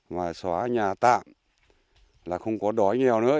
mà xóa nhà tạm là không có đói nghèo nữa